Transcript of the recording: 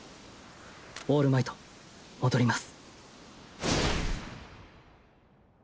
オールマイト戻ります。